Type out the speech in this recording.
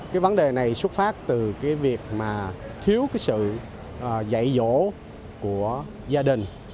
cái vấn đề này xuất phát từ cái việc mà thiếu cái sự dạy dỗ của gia đình